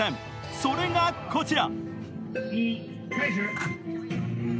それがこちら。